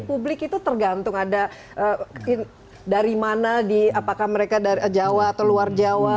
publik itu tergantung ada dari mana apakah mereka jawa atau luar jawa